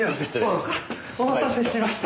お待たせしました